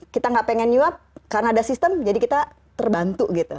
kita gak pengen nyuap karena ada sistem jadi kita terbantu gitu